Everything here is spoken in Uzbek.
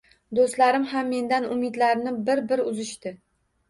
Do’stlarim ham mendan umidlarini bir-bir uzishdi.